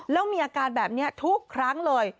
แล้วมีอาการแบบนี้ทุกครั้งเลย